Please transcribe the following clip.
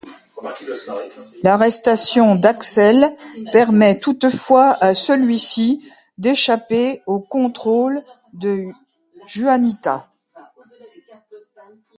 L'arrestation d'Axel permet toutefois à celui-ci d'échapper au contrôle de Juanita.